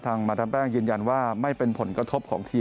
มาดามแป้งยืนยันว่าไม่เป็นผลกระทบของทีม